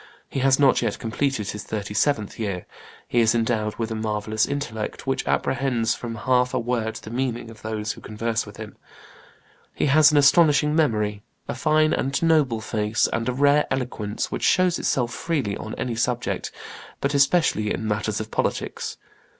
He has not yet completed his thirty seventh year; he is endowed with a marvellous intellect, which apprehends from half a word the meaning of those who converse with him; he has an astonishing memory, a fine and noble face, and a rare eloquence which shows itself freely on any subject, but especially in matters of politics.